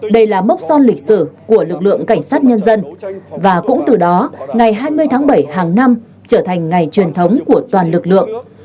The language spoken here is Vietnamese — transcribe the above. đây là mốc son lịch sử của lực lượng cảnh sát nhân dân và cũng từ đó ngày hai mươi tháng bảy hàng năm trở thành ngày truyền thống của toàn lực lượng